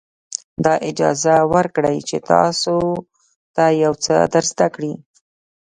دا اجازه ورکړئ چې تاسو ته یو څه در زده کړي.